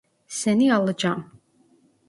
Seni alacağım.